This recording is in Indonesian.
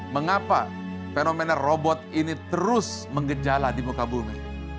mengapa fenomena robot ini terus mengejala di muka bumi